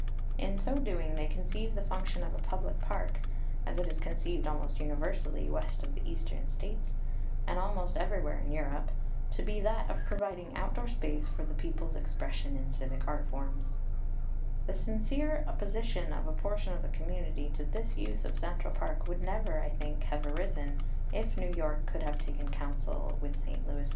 In so doing, they conceived the function of a public park as it is conceived almost universally west of the Eastern States, and almost everywhere in Europe to be that of providing outdoor space for the people's expression in civic art forms. The sincere opposition of a portion of the community to this use of Central Park would never, I think, have arisen, if New York could have taken counsel with Saint ^he outgoing cost of the Saint Louis production was $122,000; the income $139,000.